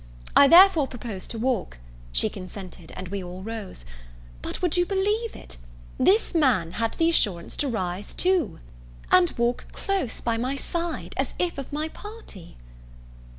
I therefore proposed to walk; she consented, and we all rose; but, would you believe it? this man had the assurance to rise too, and walk close by my side, as if of my party!